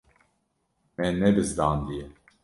Me nebizdandiye.